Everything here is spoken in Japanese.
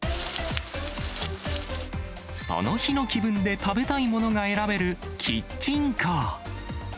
その日の気分で食べたいものが選べるキッチンカー。